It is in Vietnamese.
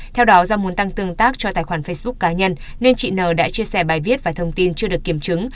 theo đó do muốn tăng tương tác cho tài khoản facebook cá nhân nên chị n đã chia sẻ bài viết và thông tin chưa được kiểm chứng